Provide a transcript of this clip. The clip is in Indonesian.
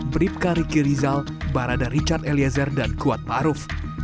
bripka riki rizal barada richard eliezer dan kuat maruf